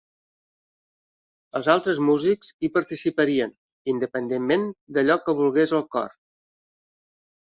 Els altres músics hi participarien, independentment d"allò que volgués el cor.